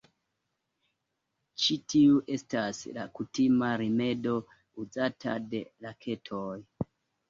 Ĉi tiu estas la kutima rimedo uzata de raketoj.